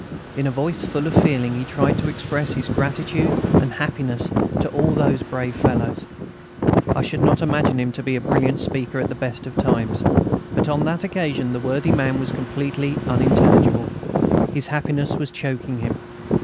In a voice full of feeling he tried to express his gratitude and happiness to all those brave fellows. I should not imagine him to be a brilliant speaker at the best of times, but on that occasion the worthy man was completely unintelligible. His happiness was choking him.